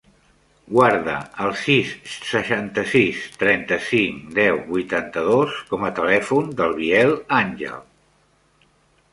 Guarda el sis, seixanta-sis, trenta-cinc, deu, vuitanta-dos com a telèfon del Biel Anghel.